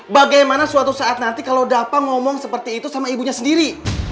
bagaimana suatu saat nanti kalau dapa ngomong seperti itu sama ibunya sendiri